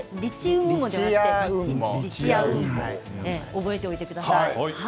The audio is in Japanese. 覚えておいてください。